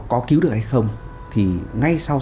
cứu được hay không thì ngay sau